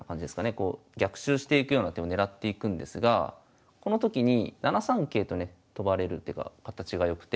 こう逆襲していくような手を狙っていくんですがこの時に７三桂とね跳ばれる手が形が良くて。